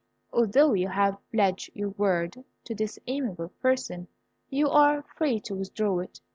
Although you have pledged your word to this amiable person, you are free to withdraw it.